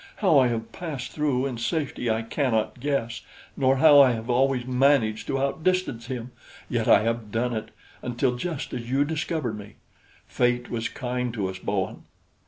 How I have passed through in safety I cannot guess, nor how I have always managed to outdistance him; yet I have done it, until just as you discovered me. Fate was kind to us, Bowen."